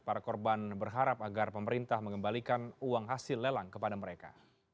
para korban berharap agar pemerintah mengembalikan uang hasil lelang kepada mereka